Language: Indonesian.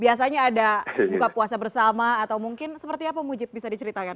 biasanya ada buka puasa bersama atau mungkin seperti apa mujib bisa diceritakan